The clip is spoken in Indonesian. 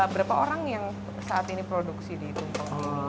berapa orang yang saat ini produksi di itu